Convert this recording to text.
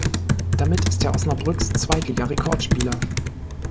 Damit ist er Osnabrücks Zweitliga-Rekordspieler.